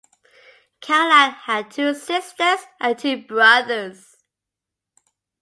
Caroline had two sisters and two brothers.